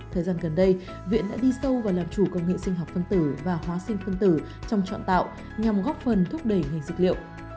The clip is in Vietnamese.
thời gian gần đây viện đã đi sâu vào làm chủ công nghệ sinh học phân tử và hóa sinh phân tử trong chọn tạo nhằm góp phần thúc đẩy ngành dược liệu